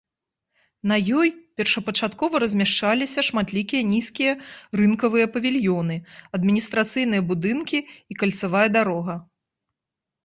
На ёй першапачаткова размяшчаліся шматлікія нізкія рынкавыя павільёны, адміністрацыйныя будынкі і кальцавая дарога.